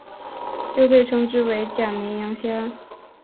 又被称之为假绵羊虾。